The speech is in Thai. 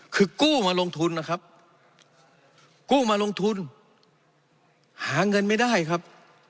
คือกู้มาลงทุนนะครับกู้มาลงทุนหาเงินไม่ได้ครับ